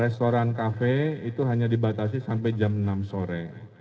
restoran kafe itu hanya dibatasi sampai jam enam sore